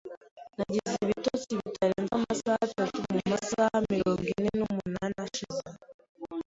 Nagize ibitotsi bitarenze amasaha atatu mumasaha mirongo ine n'umunani ashize.